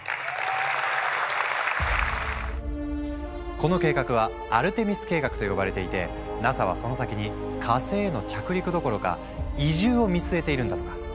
この計画は「アルテミス計画」と呼ばれていてＮＡＳＡはその先に火星への着陸どころか移住を見据えているんだとか。